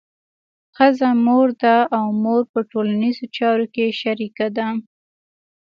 ښځه مور ده او مور په ټولنیزو چارو کې شریکه ده.